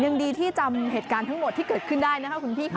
ยังดีที่จำเหตุการณ์ทั้งหมดที่เกิดขึ้นได้นะคะคุณพี่ค่ะ